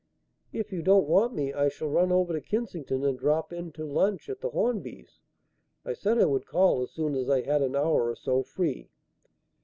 "If you don't want me, I shall run over to Kensington and drop in to lunch at the Hornbys'. I said I would call as soon as I had an hour or so free."